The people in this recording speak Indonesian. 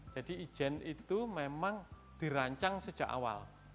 jadi ijen itu memang dirancang sejak awal